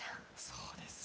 そうです。